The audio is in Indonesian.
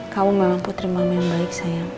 kau memang putri mama yang baik sayang